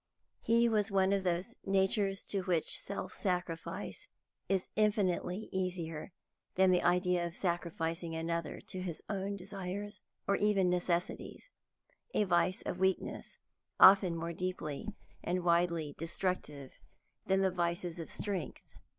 His was one of those natures to which self sacrifice is infinitely easier than the idea of sacrificing another to his own desires or even necessities, a vice of weakness often more deeply and widely destructive than the vices of strength.